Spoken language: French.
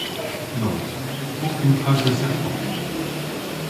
Non… aucune trace de serpent…